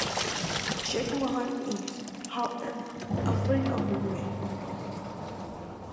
Jagmohan is, however, afraid of women.